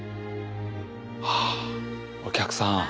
あお客さん。